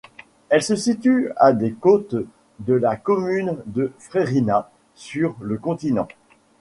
Elle se situe à des côtes de la commune de Freirina, sur le continent.